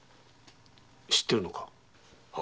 知ってるのか？